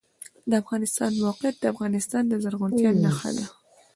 د افغانستان موقعیت د افغانستان د زرغونتیا نښه ده.